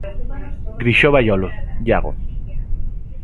Grixó Baiolo, Iago.